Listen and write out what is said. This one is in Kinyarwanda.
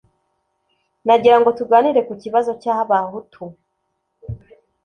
Nagirango tuganire ku kibazo cy’Abahutu